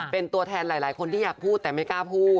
เป็นตัวแทนหลายคนที่อยากพูดแต่ไม่กล้าพูด